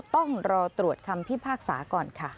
ต้องรอตรวจคำพิพากษาก่อนค่ะ